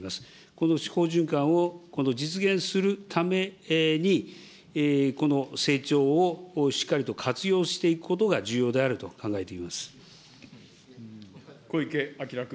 この好循環を実現するために、この成長をしっかりと活用していくことが重要であると考えていま小池晃君。